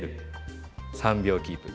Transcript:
３秒キープ。